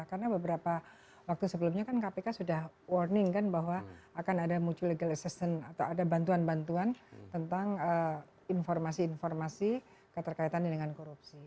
karena beberapa waktu sebelumnya kan kpk sudah warning kan bahwa akan ada mutual legal assistance atau ada bantuan bantuan tentang informasi informasi keterkaitannya dengan korupsi